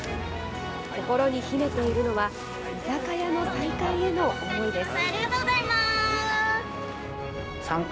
心に秘めているのは居酒屋の再開への思いです。